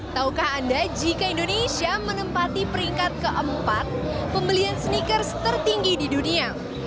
taukah anda jika indonesia menempati peringkat keempat pembelian sneakers tertinggi di dunia